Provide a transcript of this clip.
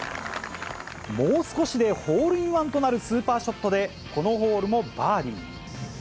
もう少しでホールインワンとなるスーパーショットで、このホールもバーディー。